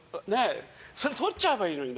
それとっちゃえばいいのに。